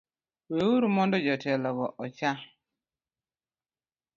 Weuru mondo jotelogo ocha